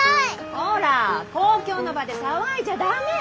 こら公共の場で騒いじゃダメ！